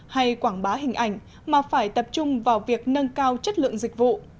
hay quảng bá hình ảnh mà phải tập trung vào việc nâng cao chất lượng dịch vụ